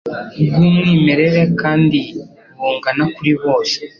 bw'umwimerere kandi bungana kuri bose